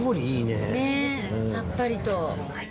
ねえさっぱりと。